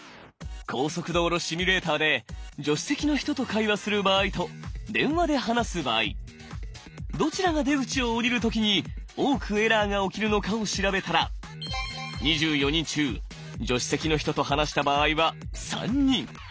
高速道路シミュレーターで助手席の人と会話する場合と電話で話す場合どちらが出口を降りる時に多くエラーが起きるのかを調べたら２４人中助手席の人と話した場合は３人。